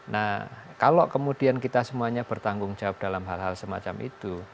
nah kalau kemudian kita semuanya bertanggung jawab dalam hal hal semacam itu